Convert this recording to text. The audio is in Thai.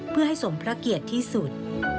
เพื่อให้สมพระเกียรติที่สุด